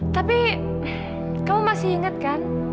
tapi kamu masih ingat kan